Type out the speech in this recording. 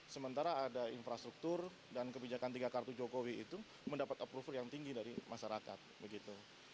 sementara ada infrastruktur dan kebijakan tiga kartu jokowi itu mendapat approval yang tinggi dari masyarakat begitu